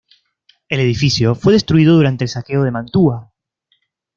El edificio fue destruido durante el Saqueo de Mantua.